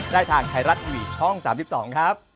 ได้ทางไทรัตวิทย์ช่อง๓๒ครับ